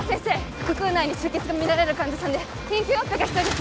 腹腔内に出血がみられる患者さんで緊急オペが必要です